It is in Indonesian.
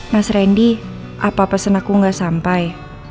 mas randy apa pesan aku gak sampai